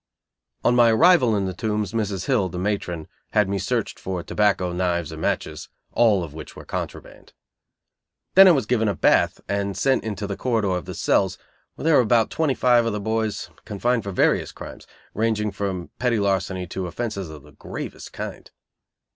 On my arrival in the Tombs, Mrs. Hill, the matron, had me searched for tobacco, knives or matches, all of which were contraband; then I was given a bath and sent into the corridor of the cells where there were about twenty five other boys, confined for various crimes, ranging from petty larceny to offenses of the gravest kind.